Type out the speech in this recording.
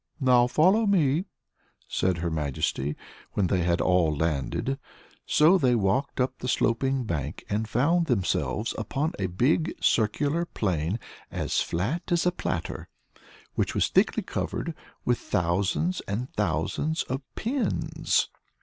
"Now follow me," said Her Majesty, when they had all landed. So they walked up the sloping bank and found themselves upon a big, circular plain as flat as a platter, which was thickly covered with thousands and thousands of pins.